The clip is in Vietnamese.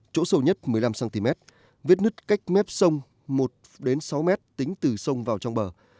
chỗ sâu nhất một mươi năm cm vết nứt cách mép sông một sáu m tính từ sông vào trong bờ